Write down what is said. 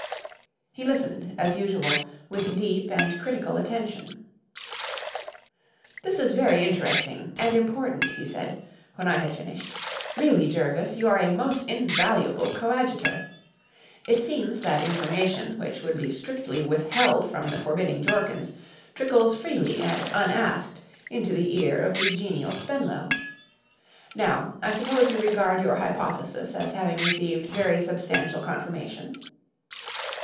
He listened, as usual, with deep and critical attention. "This is very interesting and important," he said, when I had finished; "really, Jervis, you are a most invaluable coadjutor. It seems that information, which would be strictly withheld from the forbidding Jorkins, trickles freely and unasked into the ear of the genial Spenlow. Now, I suppose you regard your hypothesis as having received very substantial confirmation?"